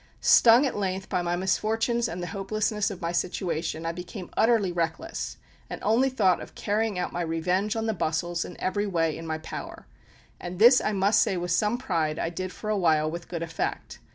Stung at length by my misfortunes and the hopelessness of my situation, I became utterly reckless, and only thought of carrying out my revenge on the bustles in every way in my power; and this I must say with some pride I did for a while with good effect.